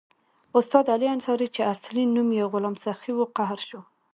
استاد علي انصاري چې اصلي نوم یې غلام سخي وو قهر شو.